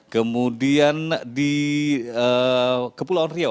kemudian di kepulauan riau